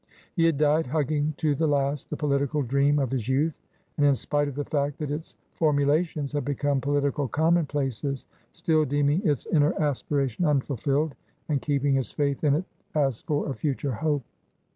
He had died hugging to the last the political dream of his youth, and, in spite of the fact that its formula tions had become political commonplaces, still deeming its inner aspiration unfulfilled and keeping his faith in it as for a future hope.